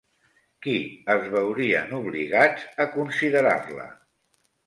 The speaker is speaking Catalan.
Qui es veurien obligats a considerar-la?